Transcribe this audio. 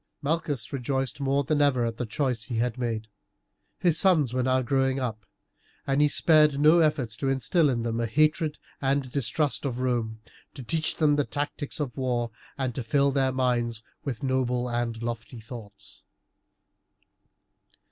Malchus rejoiced more than ever at the choice he had made. His sons were now growing up, and he spared no efforts to instill in them a hatred and distrust of Rome, to teach them the tactics of war, and to fill their minds with noble and lofty thoughts.